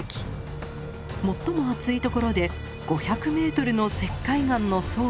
最も厚いところで５００ｍの石灰岩の層となりました。